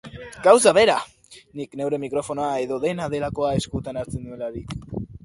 Gauza bera!, nik neure mikrofonoa edo dena delakoa eskutan hartzen nuelarik.